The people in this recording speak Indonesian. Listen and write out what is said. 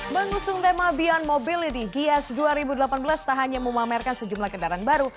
mengusung tema beyond mobility gias dua ribu delapan belas tak hanya memamerkan sejumlah kendaraan baru